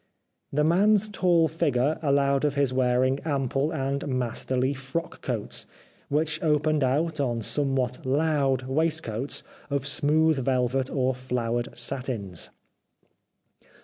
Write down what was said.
The man's tall figure allowed of his wearing ample and masterly frock coats, which opened out on somewhat ' loud ' waistcoats of smooth velvet or flowered satins.